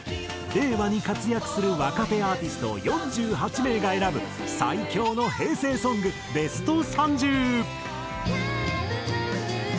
令和に活躍する若手アーティスト４８名が選ぶ最強の平成ソングベスト３０。